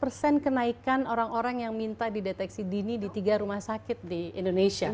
dua puluh persen kenaikan orang orang yang minta dideteksi dini di tiga rumah sakit di indonesia